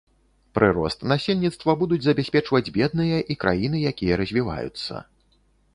Прырост насельніцтва будуць забяспечваць бедныя і краіны, якія развіваюцца.